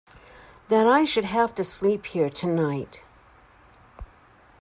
That I should have to sleep here tonight!